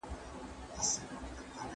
نارینه باید د ښځې خپلوانو احترام وکړي.